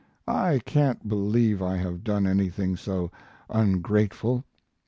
I can't believe I have done anything so ungrateful.